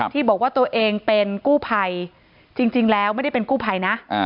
ที่บอกว่าตัวเองเป็นกู้ภัยจริงแล้วไม่ได้เป็นกู้ภัยนะ